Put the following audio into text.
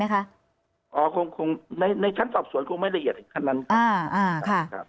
อา้าาาคะ